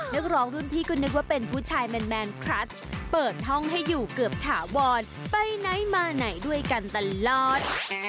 นักร้องรุ่นพี่ก็นึกว่าเป็นผู้ชายแมนคลัสเปิดห้องให้อยู่เกือบถาวรไปไหนมาไหนด้วยกันตลอด